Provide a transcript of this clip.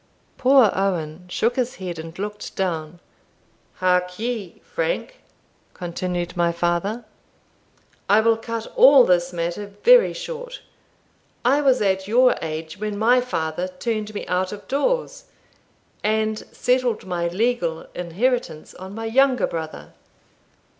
Poor Owen shook his head, and looked down. "Hark ye, Frank," continued my father, "I will cut all this matter very short. I was at your age when my father turned me out of doors, and settled my legal inheritance on my younger brother.